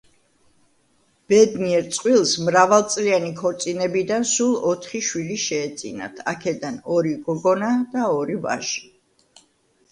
ბედნიერ წყვილს, მრავალწლიანი ქორწინებიდან სულ ოთხი შვილი შეეძინათ, აქედან ორი გოგონა და ორი ვაჟი.